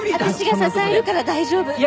私が支えるから大丈夫。